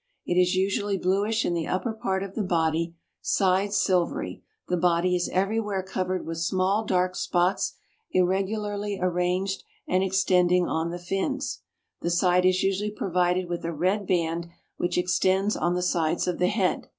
It is usually bluish in the upper part of the body; sides silvery; the body is everywhere covered with small, dark spots irregularly arranged, and extending on the fins. The side is usually provided with a red band which extends on the sides of the head.